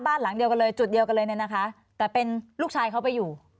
บ้านหลังเดียวกันเลยจุดเดียวกันเลยเนี่ยนะคะแต่เป็นลูกชายเขาไปอยู่